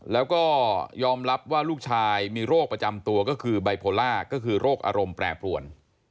แล้วก็ยอมรับว่าลูกชายมีโรคประจำตัวก็คือไบโพล่าก็คือโรคอารมณ์แปรปรวน